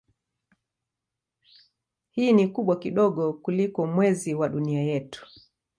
Hii ni kubwa kidogo kuliko Mwezi wa Dunia yetu.